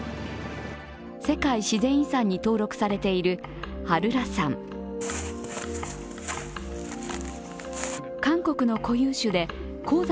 世界自然遺産に登録されているハルラ山。